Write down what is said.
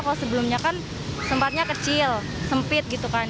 kalau sebelumnya kan tempatnya kecil sempit gitu kan